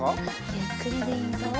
ゆっくりでいいぞ。